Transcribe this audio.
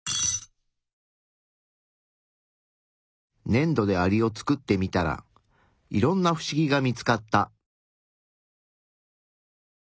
ねんどでアリを作ってみたらいろんなフシギが見つかった。